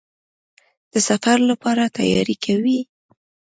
د سفر لپاره تیاری کوئ؟